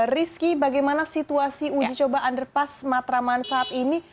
rizky bagaimana situasi uji coba underpass matraman saat ini